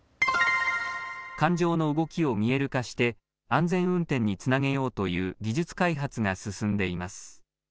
感情の動きを見える化して安全運転につなげようという技術開発が進んでいます。